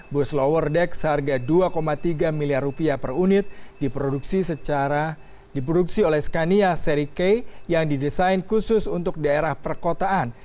bus lower deck seharga dua tiga miliar rupiah per unit diproduksi secara diproduksi oleh scania seri k yang didesain khusus untuk daerah perkotaan